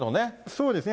そうですね。